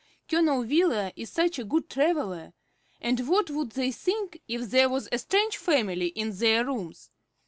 "Colonel Wheeler is such a good traveller; and what would they think if there was a strange family in their rooms?